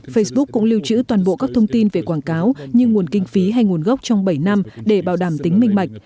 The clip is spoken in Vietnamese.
facebook cũng lưu trữ toàn bộ các thông tin về quảng cáo như nguồn kinh phí hay nguồn gốc trong bảy năm để bảo đảm tính minh mạch